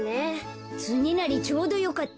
つねなりちょうどよかった。